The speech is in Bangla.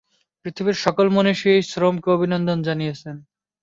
পৃথিবীর সকল মনীষীই শ্রমকে অভিনন্দন জানিয়েছেন।